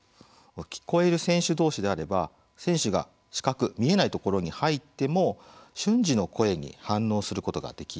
聞こえる選手同士であれば選手が死角、見えないところに入っても瞬時の声に反応することができます。